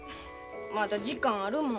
まだ時間あるもん。